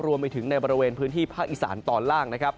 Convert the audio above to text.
รวมไปถึงในบริเวณพื้นที่ภาคอีสานตอนล่างนะครับ